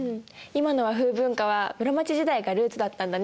今の和風文化は室町時代がルーツだったんだね。